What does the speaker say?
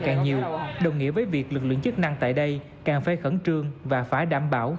càng nhiều đồng nghĩa với việc lực lượng chức năng tại đây càng phải khẩn trương và phải đảm bảo